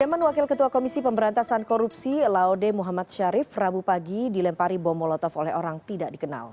teman wakil ketua komisi pemberantasan korupsi laude muhammad syarif rabu pagi dilempari bom molotov oleh orang tidak dikenal